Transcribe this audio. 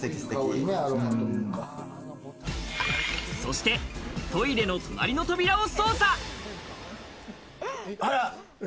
そして、トイレの隣の扉を捜査。